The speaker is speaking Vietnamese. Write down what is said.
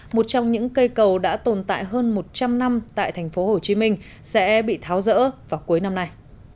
một trong những cây cầu đã tồn tại hơn một trăm linh năm tại tp hcm sẽ bị tháo rỡ vào cuối năm nay